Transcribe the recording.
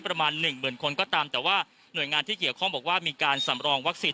ประมาณหนึ่งหมื่นคนก็ตามแต่ว่าหน่วยงานที่เกี่ยวข้องบอกว่ามีการสำรองวัคซีน